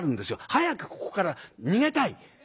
早くここから逃げたい。